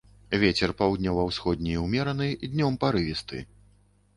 Вецер паўднёва-ўсходні ўмераны, днём парывісты.